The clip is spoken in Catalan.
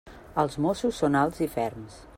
Els mossos són alts i ferms.